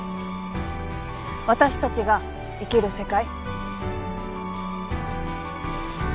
私たちが生きる世界。